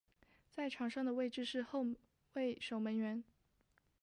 在场上的位置是后卫守门员。